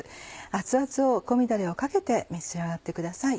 熱々を香味だれをかけて召し上がってください。